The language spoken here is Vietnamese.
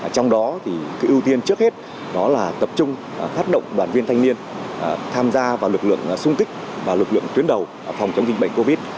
trong đó thì ưu tiên trước hết đó là tập trung phát động đoàn viên thanh niên tham gia vào lực lượng sung kích và lực lượng tuyến đầu phòng chống dịch bệnh covid